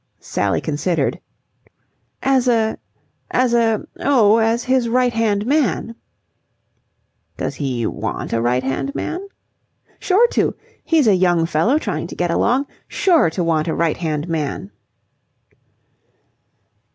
Sally considered. "As a as a oh, as his right hand man." "Does he want a right hand man?" "Sure to. He's a young fellow trying to get along. Sure to want a right hand man."